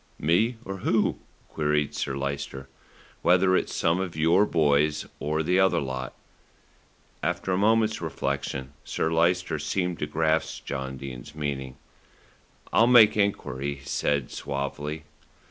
"Me or who?" queried Sir Lyster. "Whether it's some of your boys, or the other lot." After a moment's reflection Sir Lyster seemed to grasp John Dene's meaning. "I'll make enquiry," he said suavely.